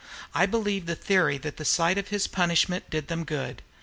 I believe the theory was that the sight of his punishment did them good.